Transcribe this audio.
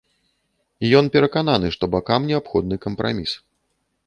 Ён перакананы, што бакам неабходны кампраміс.